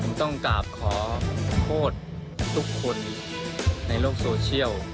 ผมต้องกราบขอโทษทุกคนในโลกโซเชียล